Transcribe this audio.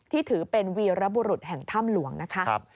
ที่ถือเป็นวีรบุรุษแห่งถ้ำหลวงนะคะ